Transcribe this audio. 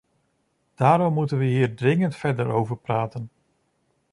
Daarom moeten we hier dringend verder over praten.